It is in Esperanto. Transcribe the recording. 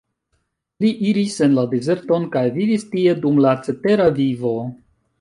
Li iris en la dezerton kaj vivis tie dum la cetera vivo.